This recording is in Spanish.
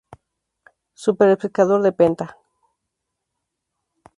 Super Pescador de Penta